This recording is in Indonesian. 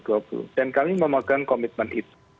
dan kami memegang komitmen itu